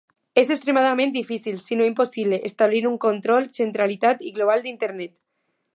És extremadament difícil, si no impossible, establir un control centralitzat i global d'Internet.